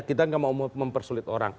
kita nggak mau mempersulit orang